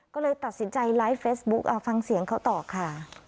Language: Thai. ก็เลยตัดสินใจไลฟ์เฟซบุ๊คฟังเสียงเขาต่อค่ะ